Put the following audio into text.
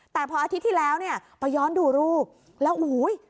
แต่พออาทิตย์ที่แล้วเนี่ยไปย้อนดูรูปแล้วอุ้ย